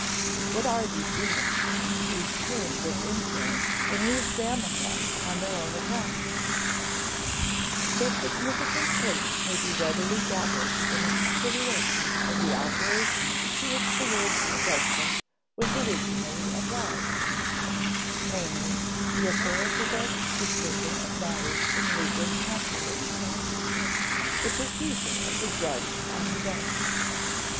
What are these units, these terms of inference when we examine them on their own account? Their significant traits may be readily gathered from a consideration of the operations to which the word judgment was originally applied: namely, the authoritative decision of matters in legal controversy the procedure of the judge on the bench.